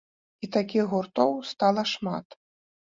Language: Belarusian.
І такіх гуртоў стала шмат.